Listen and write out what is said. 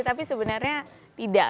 tapi sebenarnya tidak